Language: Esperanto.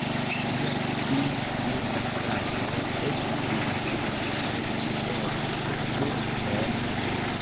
Lia pli juna frato estas la filmreĝisoro Arthur Penn.